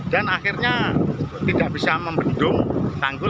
dan akhirnya tidak bisa membendung tanggul